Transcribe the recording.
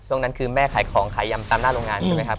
วันนั้นคือแม่ขายของขายยำตามหน้าโรงงานใช่ไหมครับ